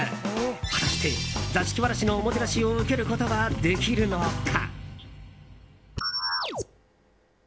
果たして座敷わらしのおもてなしを受けることはできるのか。